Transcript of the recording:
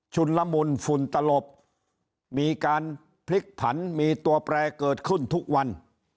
ละมุนฝุ่นตลบมีการพลิกผันมีตัวแปรเกิดขึ้นทุกวัน